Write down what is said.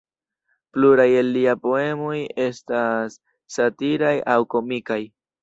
Pluraj el lia poemoj estas satiraj aŭ komikaj.